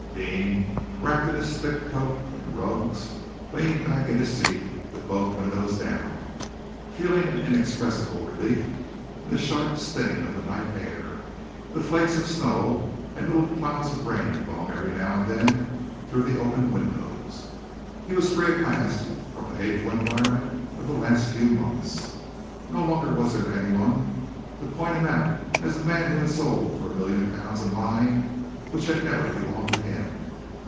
Deane, wrapped in his thick coat and rugs, leaned back in his seat, with both windows down, feeling an inexpressible relief in the sharp sting of the night air, the flakes of snow and little clouds of rain blown every now and then through the open windows. He was free at last from the hateful environment of the last few months. No longer was there anyone to point him out as the man who had sold for a million pounds a mine which had never belonged to him.